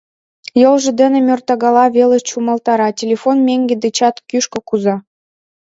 Йолжо дене мӧртагала веле чумалтара, телефон меҥге дечат кӱшкӧ кӱза.